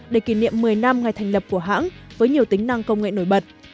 để kỷ niệm một mươi năm ngày thành lập của hãng với nhiều tính năng công nghệ nổi bật